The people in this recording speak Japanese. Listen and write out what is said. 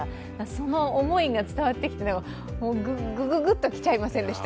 その思いが伝わってきて、グググッときちゃいませんでした？